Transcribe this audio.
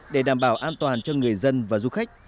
để đảm bảo an toàn cho người dân và du khách